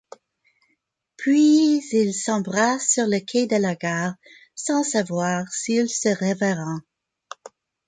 Puis ils s'embrassent sur le quai de la gare sans savoir s'ils se reverront.